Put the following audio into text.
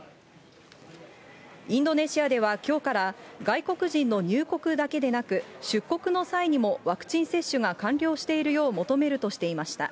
インドネシアではきょうから、外国人の入国だけでなく、出国の際にもワクチン接種が完了しているよう求めるとしていました。